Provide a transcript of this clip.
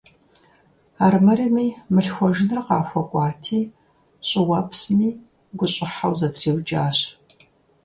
Армырми мылъхуэжыныр къахуэкӀуати, щӀыуэпсми гущӀыхьэу зэтриукӀащ.